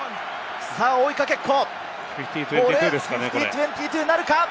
追いかけっこ！